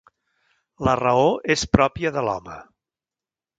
La raó és pròpia de l'home.